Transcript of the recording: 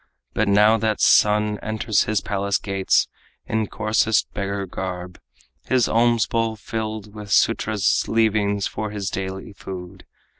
But now that son enters his palace gates In coarsest beggar garb, his alms bowl filled With Sudras' leavings for his daily food.